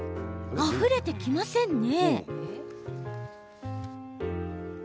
あふれてきませんね。